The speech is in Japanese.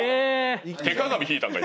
手鏡引いたんか？